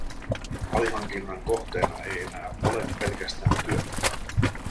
Alihankinnan kohteena ei enää ole pelkästään työ.